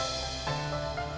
jangan lupa untuk berlangganan